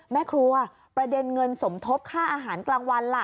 แม่ครัวประเด็นเงินสมทบค่าอาหารกลางวันล่ะ